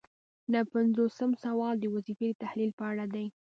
نهه پنځوسم سوال د وظیفې د تحلیل په اړه دی.